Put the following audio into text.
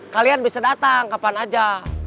kalian bisa datang kapan aja